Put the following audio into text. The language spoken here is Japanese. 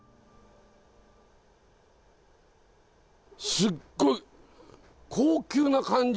すっごい高級な感じ！